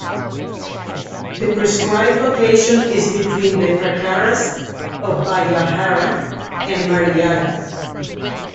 The prescribe location is between the "prakaras" of "bahyahara" and "maryada".